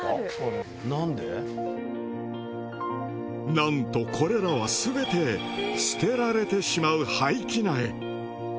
なんとこれらはすべて捨てられてしまう廃棄苗。